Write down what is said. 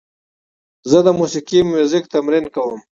زه د موسیقۍ میوزیک تمرین کوم.